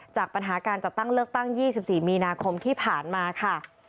จากปัญหาการจัดตั้งเลือกตั้ง๒๔มีนาคมที่ผ่านมาค่ะ